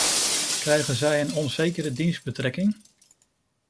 Krijgen zij een onzekere dienstbetrekking?